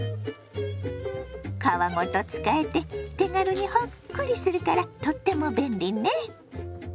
皮ごと使えて手軽にほっくりするからとっても便利ね。